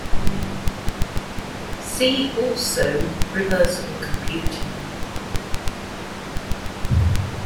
See also reversible computing.